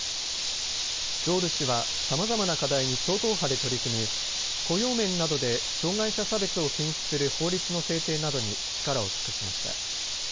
ドール氏はさまざまな課題に超党派で取り組み、雇用面などで障害者差別を禁止する法律の制定などに力を尽くしました。